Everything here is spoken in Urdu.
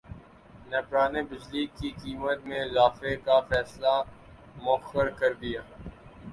نیپرا نے بجلی کی قیمت میں اضافے کا فیصلہ موخر کردیا